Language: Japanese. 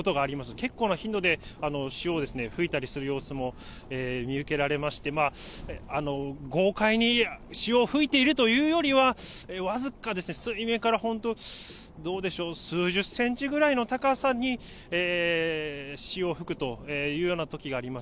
結構な頻度で潮を吹いたりする様子も見受けられまして、豪快に潮を吹いているというよりは、僅かですね、水面から本当、どうでしょう、数十センチくらいの高さに潮を吹くというようなときがあります。